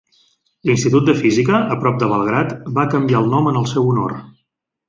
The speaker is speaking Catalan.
L'Institut de Física, a prop de Belgrad, va canviar el nom en el seu honor.